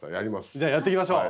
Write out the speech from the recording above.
じゃあやっていきましょう！